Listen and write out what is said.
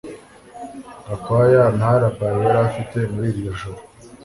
Gakwaya nta alibi yari afite muri iryo joro